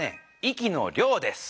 「息の量」です。